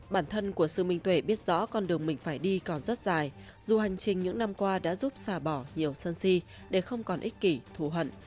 bản thân của sư minh tuệ biết rõ con đường mình phải đi còn rất dài dù hành trình những năm qua đã giúp xà bỏ nhiều sân si để không còn ích kỷ thù hận